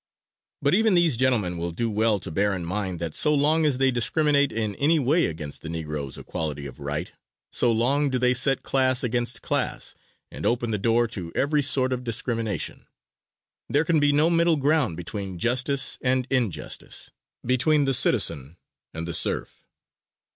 But even these gentlemen will do well to bear in mind that so long as they discriminate in any way against the Negro's equality of right, so long do they set class against class and open the door to every sort of discrimination. There can be no middle ground between justice and injustice, between the citizen and the serf.